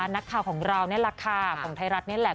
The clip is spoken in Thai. นักข่าวของเรานี่แหละค่ะของไทยรัฐนี่แหละ